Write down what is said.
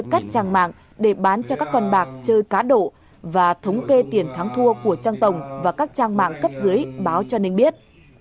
trần khắc ninh đã có ba trang mạng để bán cho các con bạc chơi cá độ và thống kê tiền thắng thua của trang tổng và các trang mạng cấp dưới báo cho ninh biết